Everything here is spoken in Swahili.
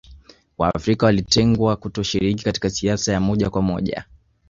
Waafrika walitengwa kutoshiriki katika siasa ya moja kwa moja